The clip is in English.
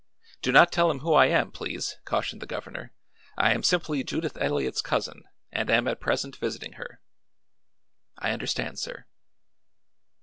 "Do not tell him who I am, please," cautioned the governor. "I am simply Judith Eliot's cousin, and am at present visiting her." "I understand, sir."